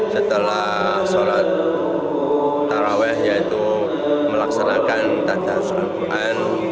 setelah sholat taraweh yaitu melaksanakan tanda surat al quran